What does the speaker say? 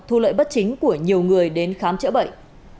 thu lợi bất chính của nhiều người đến khám chữa bệnh